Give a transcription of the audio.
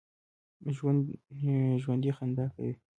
ژوندي خندا کوي